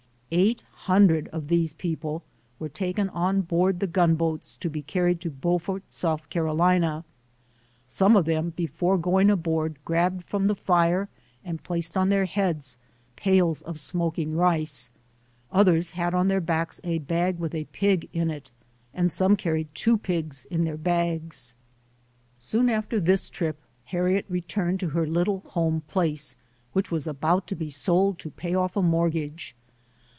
Eight hundred of these people were taken on board the gunboats to be carried to Beaufort, S. C. Some of them be fore going aboard grabbed from the fire and placed on their heads pails of smoking rice. Others had on their backs a bag with a pig in it; and some carried two pigs in their bags. Soon after this trip Harriet returned to her little home place, which was about to be sold to pay off a mortgage.